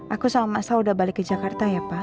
aku sama saya udah balik ke jakarta ya pak